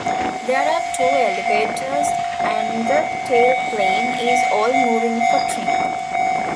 There are two elevators and the tailplane is all-moving for trim.